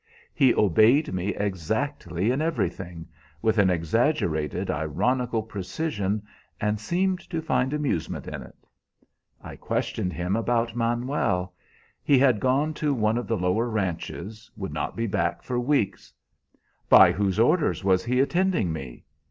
He obeyed me exactly in everything, with an exaggerated ironical precision, and seemed to find amusement in it. I questioned him about Manuel. He had gone to one of the lower ranches, would not be back for weeks. By whose orders was he attending me?